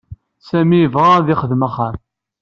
Sami yebɣa ad yexdem axxam.